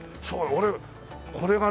俺これがね。